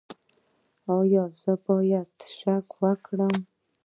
ایا زه باید شک وکړم؟